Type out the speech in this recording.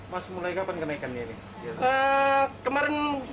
mas mulai kapan kenaikannya ini